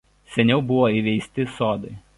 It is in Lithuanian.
Seniau buvo įveisti sodai.